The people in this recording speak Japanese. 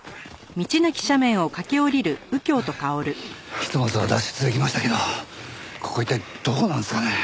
ひとまずは脱出できましたけどここは一体どこなんですかね？